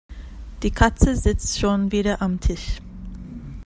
Die Katze sitzt schon wieder am Tisch.